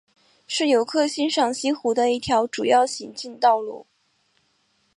是游客欣赏西湖的一条主要行进道路。